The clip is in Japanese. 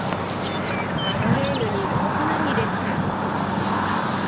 マドレーヌにローズマリーですか！